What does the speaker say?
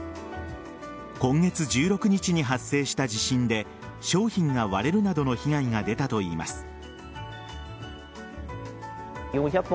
今月１６日に発生した地震で商品が割れるなどの被害が出たといいます。